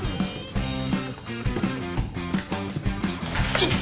ちょっと！